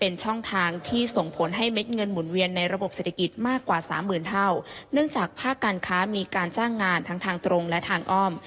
ในระบบเศรษฐกิจมากกว่า๓๐๐๐๐เท่าเนื่องจากภาคการค้ามีการจ้างงานทั้งทางตรงและทางอ้อม